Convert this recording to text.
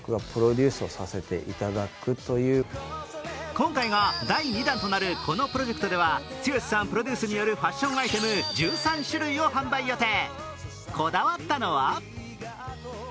今回が第２弾となるこのプロジェクトでは剛さんプロデュースによるファッションアイテム１３種類を販売予定。